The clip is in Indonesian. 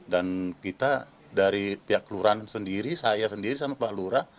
dan kita dari pihak kelurahan sendiri saya sendiri sama pak lura